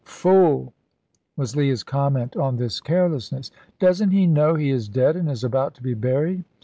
"Fool!" was Leah's comment on this carelessness. "Doesn't he know he is dead, and is about to be buried?"